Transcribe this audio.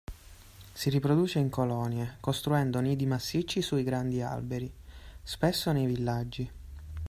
Si riproduce in colonie, costruendo nidi massicci sui grandi alberi, spesso nei villaggi.